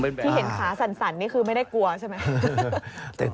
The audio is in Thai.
ที่เห็นขาสั่นนี่คือไม่ได้กลัวใช่ไหม